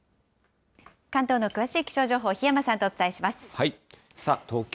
関東の詳しい気象情報、檜山さんとお伝えします。